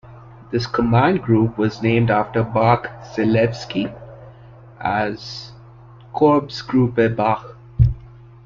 This command group was named after Bach-Zelewski, as "Korpsgruppe Bach".